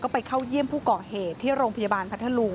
ไปเข้าเยี่ยมผู้ก่อเหตุที่โรงพยาบาลพัทธลุง